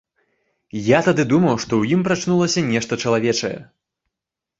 Я тады думаў, што ў ім прачнулася нешта чалавечае.